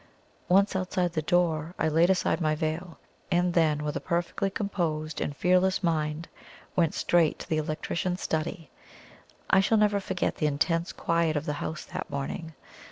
Once outside the door I laid aside my veil, and then, with a perfectly composed and fearless mind, went straight to the Electrician's study. I shall never forget the intense quiet of the house that morning.